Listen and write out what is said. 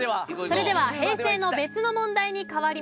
それでは平成の別の問題に変わります。